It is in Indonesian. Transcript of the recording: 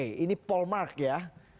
ini paul mark ya